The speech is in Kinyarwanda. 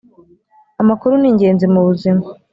amakuru ningenzi mubuzima.